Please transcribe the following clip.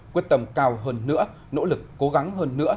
quyết tâm cao hơn nữa nỗ lực cố gắng hơn nữa